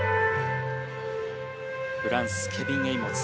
フランスケビン・エイモズ。